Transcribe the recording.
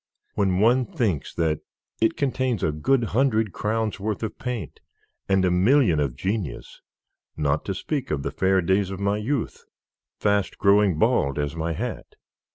"When one thinks that it contains a good hundred crowns' worth of paint, and a million of genius, not to speak of the fair days of my youth, fast growing bald as my hat!